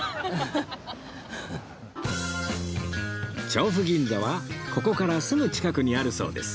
調布銀座はここからすぐ近くにあるそうです